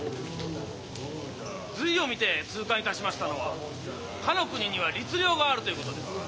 「隋を見て痛感いたしましたのはかの国には律令があるということです。